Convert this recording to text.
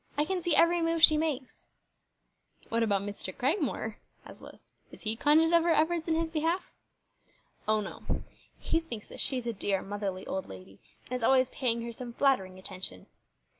I can see every move she makes." "What about Mr. Cragmore?" asked Lois. "Is he conscious of her efforts in his behalf?" "O no. He thinks that she is a dear, motherly old lady, and is always paying her some flattering attention.